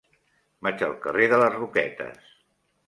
Vaig al carrer de les Roquetes.